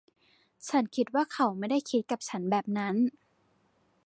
ฉันคิดว่าเค้าไม่ได้คิดกับฉันแบบนั้น